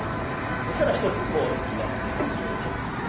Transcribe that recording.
そしたら一つポーズ決まってみましょう。